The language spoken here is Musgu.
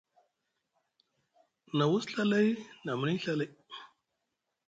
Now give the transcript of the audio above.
Na wus Ɵa lay, na muni Ɵa lay.